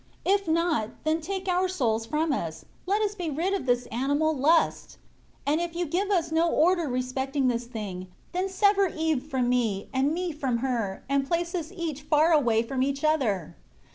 23 If not, then take our souls from us; let us be rid of this animal lust. And if You give us no order respecting this thing, then sever Eve from me, and me from her; and place us each far away from the other.